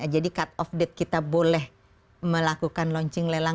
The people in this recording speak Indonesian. jadi cut of date kita boleh melakukan launching lelang